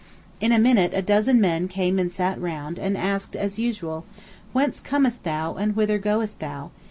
In a minute a dozen men came and sat round, and asked as usual, 'Whence comest thou, and whither goest thou?